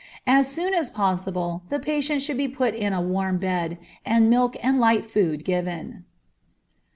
As soon as possible the patient should be put in a warm bed, and milk and light food given.